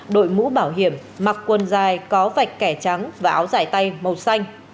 đội mũ bảo hiểm mặc quần dài có vạch kẻ trắng và áo dài tay màu xanh